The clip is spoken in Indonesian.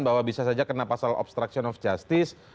bahwa bisa saja kena pasal obstruction of justice